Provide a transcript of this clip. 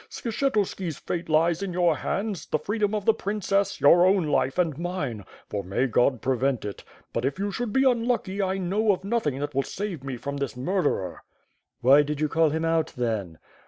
Skshetuski's fate lies in your hands, the freedom of the princess, your own life and mine; for, may God prevent it, but if you should be unlucky, I know of nothing that will save me from this murderer." "Why did you call him out then?"